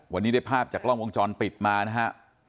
วันนี้ได้ภาพจากกล้องวงจรปิดมานะฮะ